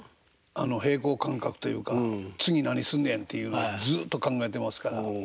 平衡感覚というか次何すんねんっていうのをずっと考えてますから。